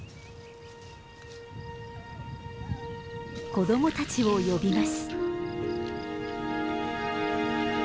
子供たちを呼びます。